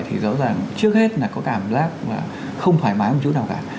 thì rõ ràng trước hết là có cảm giác là không thoải mái một chút nào cả